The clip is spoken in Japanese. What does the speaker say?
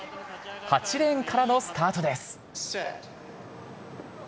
８レーンからのスタートです。